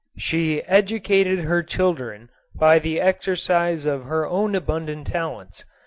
She educated her children by the exercise of her own abundant talents.